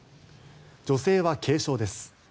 女性は軽傷です。